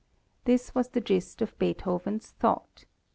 This was the gist of Beethoven's thought.